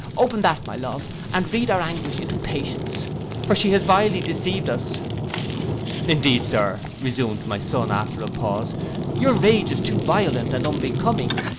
Open that, my love, and read our anguish into patience, for she has vilely deceived us.'—'Indeed, Sir,' resumed my son, after a pause, 'your rage is too violent and unbecoming.